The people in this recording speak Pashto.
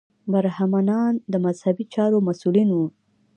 برهمنان د مذهبي چارو مسوولین وو.